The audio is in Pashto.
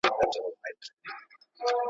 له تر بور سره پخوا هډونه مات وه